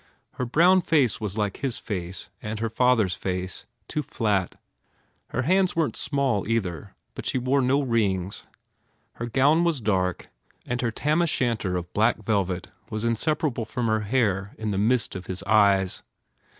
Her brown face was like his face and her father s face, too flat. Her hands weren t small, either, but she wore no rings. Her gown was dark and her tarn o shanter of black velvet was inseparable from her hair in the mist of his eyes.